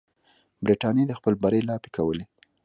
برټانیې د خپل بری لاپې کولې.